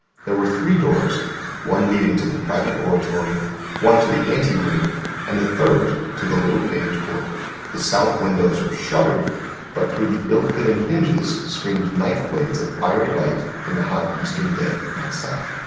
There were three doors, one leading to the private oratory, one to the ante room, and the third to the little paved court. The south windows were shuttered, but through the ill fitting hinges streamed knife blades of fiery light from the hot Eastern day outside.